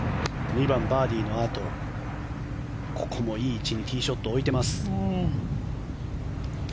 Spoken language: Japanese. ２番、バーディーのあとここもいい位置にティーショットを置いています。